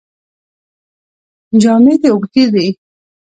جامې دې اوږدې دي.